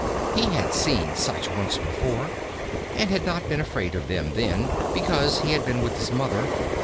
He had seen such once before and had not been afraid of them then, because he had been with his Mother.